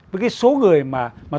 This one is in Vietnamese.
với cái số người mà